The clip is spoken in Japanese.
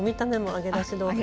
揚げだし豆腐。